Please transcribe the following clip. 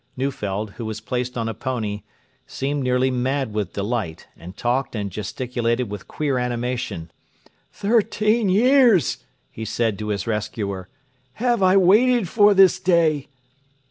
Neufeld, who was placed on a pony, seemed nearly mad with delight, and talked and gesticulated with queer animation. 'Thirteen years,' he said to his rescuer, 'have I waited for this day.'